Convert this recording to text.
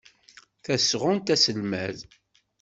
Tasɣunt Aselmad.